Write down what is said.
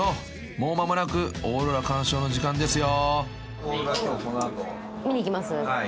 ［もう間もなくオーロラ観賞の時間ですよ］